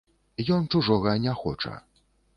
Ён чужога не хоча.